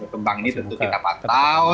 berkembang ini tentu kita patau